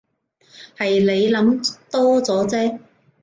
係你諗多咗啫